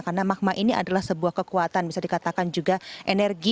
karena magma ini adalah sebuah kekuatan bisa dikatakan juga energi